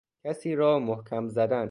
کسی را محکم زدن